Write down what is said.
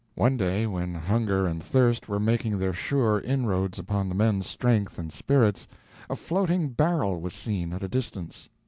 One day, when hunger and thirst were making their sure inroads upon the men's strength and spirits, a floating barrel was seen at a distance.